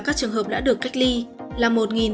các trường hợp đã được cách ly là